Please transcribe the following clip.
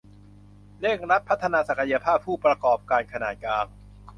เร่งรัดพัฒนาศักยภาพผู้ประกอบการขนาดกลาง